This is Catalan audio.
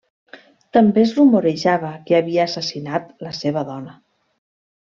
També es rumorejava que havia assassinat la seva dona.